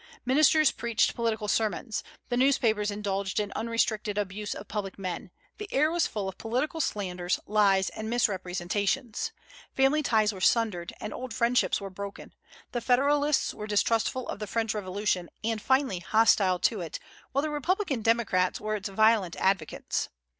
Ministers preached political sermons; the newspapers indulged in unrestricted abuse of public men. The air was full of political slanders, lies, and misrepresentations. Family ties were sundered, and old friendships were broken. The Federalists were distrustful of the French Revolution, and, finally, hostile to it, while the Republican Democrats were its violent advocates.